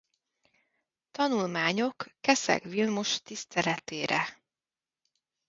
Tanulmányok Keszeg Vilmos tiszteletére.